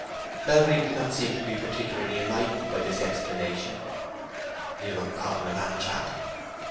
Melbury did not seem to be particularly enlightened by this explanation. "You were caught in a man trap?"